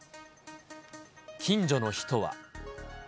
近所の人は。